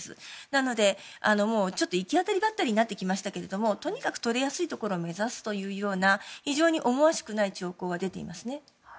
なので、行き当たりばったりになってきましたけれどもとにかく取りやすいところを目指すというような非常に思わしくない兆候は出ていますね。